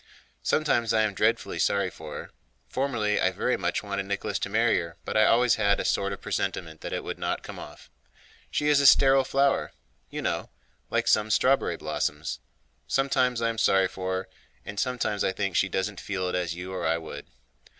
Sometimes I am dreadfully sorry for her. Formerly I very much wanted Nicholas to marry her, but I always had a sort of presentiment that it would not come off. She is a sterile flower, you know—like some strawberry blossoms. Sometimes I am sorry for her, and sometimes I think she doesn't feel it as you or I would."